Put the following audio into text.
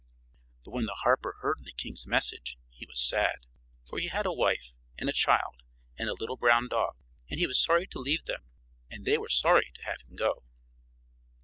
But when the harper heard the king's message he was sad, for he had a wife and a child and a little brown dog; and he was sorry to leave them and they were sorry to have him go.